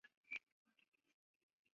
该主机仅在日本正式发布。